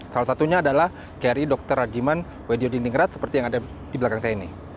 salah satunya adalah kri dr ragiman weddio diningrat seperti yang ada di belakang saya ini